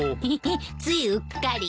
ついうっかり。